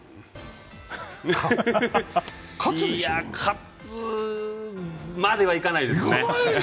喝まではいかないですね。